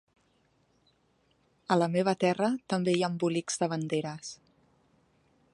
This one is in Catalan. A la meva terra també hi ha embolics de banderes.